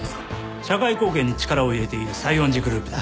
社会貢献に力を入れている西園寺グループだ。